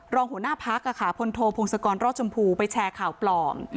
รองหัวหน้าพักพลโทพงศกรรอดชมพูไปแชร์ข่าวปลอม